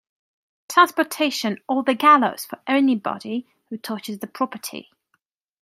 Transportation or the gallows for anybody who touches the property!